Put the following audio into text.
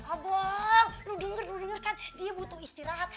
abang lo denger denger kan dia butuh istirahat